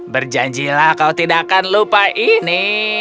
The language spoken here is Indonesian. berjanjilah kau tidak akan lupa ini